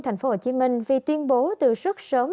tp hcm vì tuyên bố từ rất sớm